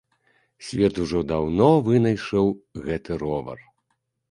Свет ўжо даўно вынайшаў гэты ровар.